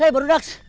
hei baru naks